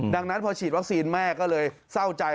ดังนั้นพอฉีดวัคซีนแม่ก็เลยเศร้าใจ